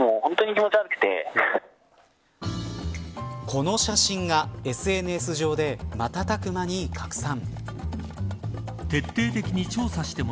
この写真が、ＳＮＳ上で瞬く間に拡散。